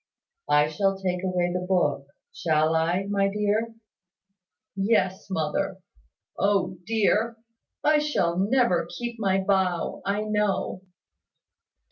"I will take away the book, shall I, my dear?" "Yes, mother. O dear! I shall never keep my vow, I know."